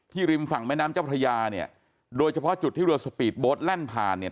ริมฝั่งแม่น้ำเจ้าพระยาเนี่ยโดยเฉพาะจุดที่เรือสปีดโบสต์แล่นผ่านเนี่ย